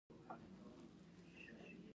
د میاشتنۍ ناروغۍ د سر درد لپاره اوبه وڅښئ